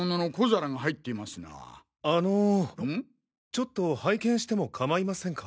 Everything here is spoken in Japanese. ちょっと拝見しても構いませんか。